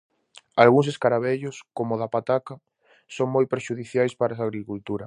Algúns escaravellos, coma o da pataca, son moi prexudiciais para a agricultura.